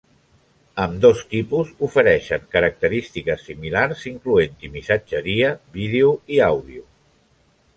Ambdós tipus ofereixen característiques similars incloent-hi missatgeria, vídeo i àudio.